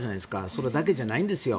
それだけじゃないんですよ。